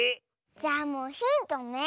じゃあもうヒントね。